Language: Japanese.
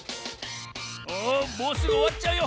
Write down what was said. おもうすぐおわっちゃうよ。